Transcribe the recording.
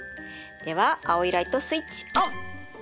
では青いライトスイッチオン！